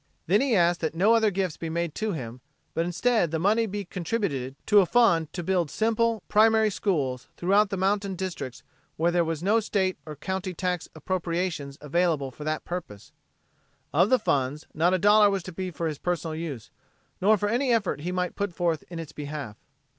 Then he asked that no other gifts be made to him, but instead the money be contributed to a fund to build simple, primary schools throughout the mountain districts where there were no state or county tax appropriations available for the purpose. Of the fund, not a dollar was to be for his personal use, nor for any effort he might put forth in its behalf.